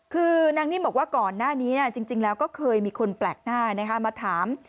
คือนางนิ่มบอกว่าก่อนหน้านี้จริงแล้วก็เคยมีคนแปลกหน้ามาถาม